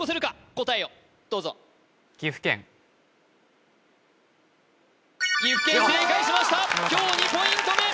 答えをどうぞ岐阜県正解しました今日２ポイント目